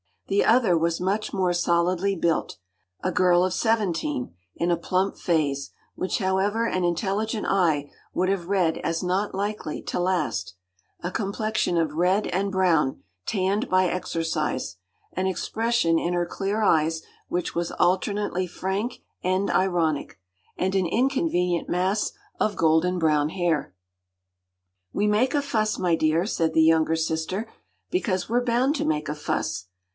The other was much more solidly built—a girl of seventeen, in a plump phase, which however an intelligent eye would have read as not likely to last; a complexion of red and brown tanned by exercise; an expression in her clear eyes which was alternately frank and ironic; and an inconvenient mass of golden brown hair. “We make a fuss, my dear,” said the younger sister, “because we’re bound to make a fuss.